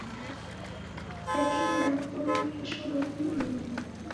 Kusekeghora kubonya kesho, bonya idime